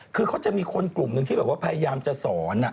คือเขาจะมีคนกลุ่มหนึ่งที่แบบว่าพยายามจะสอน